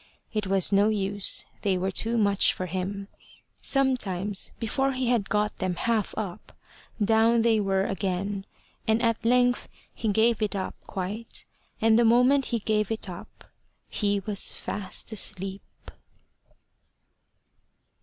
It was no use: they were too much for him. Sometimes before he had got them half up, down they were again; and at length he gave it up quite, and the moment he gave it up, he was fast asleep.